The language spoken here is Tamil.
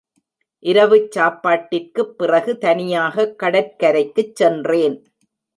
இரவுச் சாப்பாட்டிற்குப் பிறகு தனியாகக் கடற்கரைக்குச் சென்றேன்.